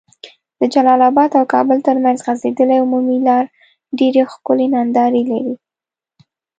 د جلال اباد او کابل تر منځ غځيدلي عمومي لار ډيري ښکلي ننداري لرې